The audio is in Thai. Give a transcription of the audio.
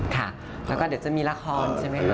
ค่ะแล้วก็เดี๋ยวจะมีละครใช่ไหมคะ